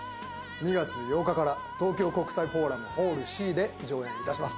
２月８日から東京国際フォーラム・ホールＣで上演いたします。